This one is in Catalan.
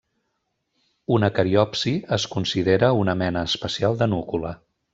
Una cariopsi es considera una mena especial de núcula.